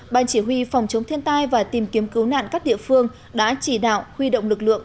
ban chỉ huy phòng chống thiên tai và tìm kiếm cứu nạn các địa phương đã chỉ đạo huy động lực lượng